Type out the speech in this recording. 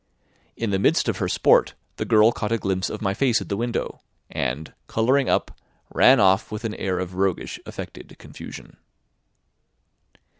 In the midst of her sport the girl caught a glimpse of my face at the window, and, colouring up, ran off with an air of roguish affected confusion.